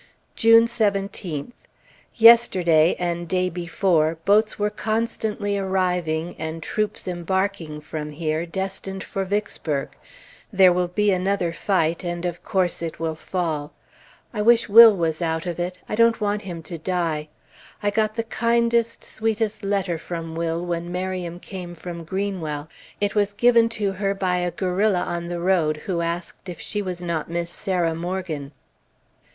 June 17th. Yesterday, and day before, boats were constantly arriving and troops embarking from here, destined for Vicksburg. There will be another fight, and of course it will fall. I wish Will was out of it; I don't want him to die. I got the kindest, sweetest letter from Will when Miriam came from Greenwell. It was given to her by a guerrilla on the road who asked if she was not Miss Sarah Morgan.